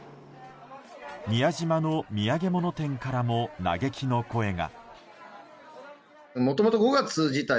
宮島の土産物店からも嘆きの声が。